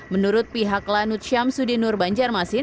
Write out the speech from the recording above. menurut pihak lanut syamsudinur